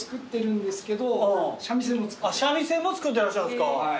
三味線も作ってらっしゃるんすか。